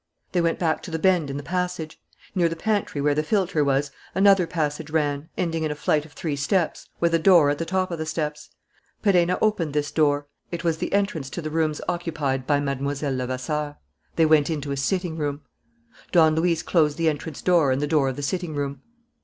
They went back to the bend in the passage. Near the pantry where the filter was, another passage ran, ending in a flight of three steps, with a door at the top of the steps. Perenna opened this door. It was the entrance to the rooms occupied by Mlle. Levasseur. They went into a sitting room. Don Luis closed the entrance door and the door of the sitting room.